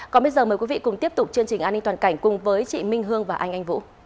còn bây giờ mời quý vị cùng tiếp tục chương trình an ninh toàn cảnh cùng với chị minh hương và anh anh vũ